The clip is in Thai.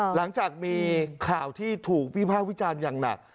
หลังจากมีข่าวที่ถูกวิภาควิจารณ์อย่างหนัก